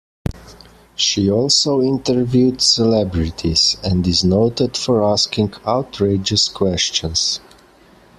She also interviewed celebrities, and is noted for asking outrageous questions.